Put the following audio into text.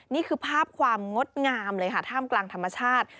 นี่คือภาพความงดงามเลยค่ะท่ามกลางธรรมชาติ